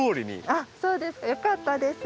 あっそうですよかったです。